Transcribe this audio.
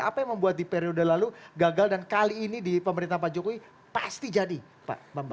apa yang membuat di periode lalu gagal dan kali ini di pemerintahan pak jokowi pasti jadi pak bambang